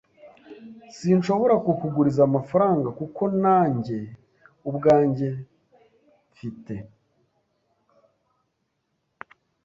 Sinshobora kuguriza amafaranga, kuko nta njye ubwanjye mfite.